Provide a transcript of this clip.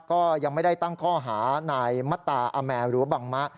ก็ยังไม่ได้ตั้งข้อหานายมัตตาอาแมหรือว่าบังมะ